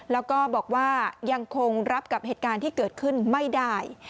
แล้วก็บอกว่ายังคงรับกับเหตุการณ์ที่เกิดขึ้นไม่ได้